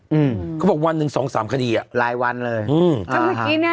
อืมเขาบอกวันหนึ่งสองสามคดีอ่ะรายวันเลยอืมแต่เมื่อกี้เนี้ย